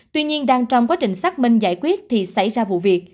tuy nhiên đang trong quá trình xác minh giải quyết thì xảy ra vụ việc